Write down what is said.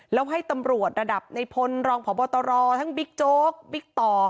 แล้วให้ตำรวจระดับในพลรองพบตรทั้งบิ๊กโจ๊กบิ๊กต่อ